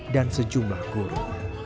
dan sejumlah guru